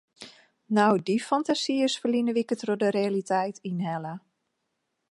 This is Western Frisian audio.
No, dy fantasy is ferline wike troch de realiteit ynhelle.